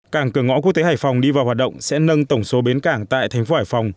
cảng cửa ngõ quốc tế hải phòng đi vào hoạt động sẽ nâng tổng số bến cảng tại thành phố hải phòng